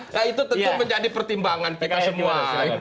nah itu tentu menjadi pertimbangan kita semua